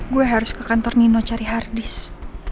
gue harus ke kantor nino cari harddisk